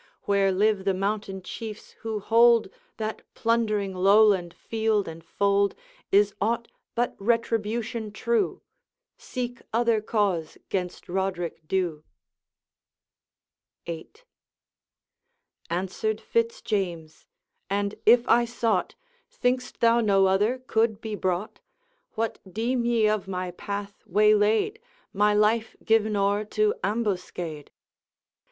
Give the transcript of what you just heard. Where live the mountain Chiefs who hold That plundering Lowland field and fold Is aught but retribution true? Seek other cause 'gainst Roderick Dhu.' VIII. Answered Fitz James: 'And, if I sought, Think'st thou no other could be brought? What deem ye of my path waylaid? My life given o'er to ambuscade?'